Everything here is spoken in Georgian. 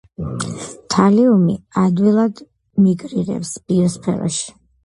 თალიუმი ადვილად მიგრირებს ბიოსფეროში.